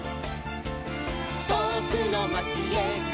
「とおくのまちへゴー！